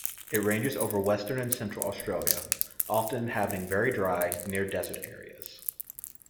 It ranges over western and central Australia, often inhabiting very dry, near desert areas.